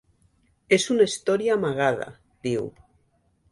És una història amagada –diu–.